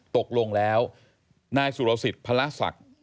ตกลงแล้วนายสุรสิทธิ์พระศักดิ์